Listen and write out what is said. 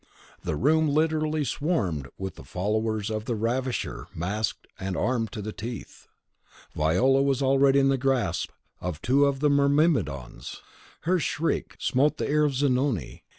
The room literally swarmed with the followers of the ravisher, masked, and armed to the teeth. Viola was already in the grasp of two of the myrmidons. Her shriek smote the ear of Zanoni.